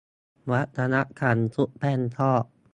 วัฒนธรรมชุบแป้งทอด